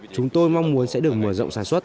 chúng tôi mong muốn sẽ được mở rộng sản xuất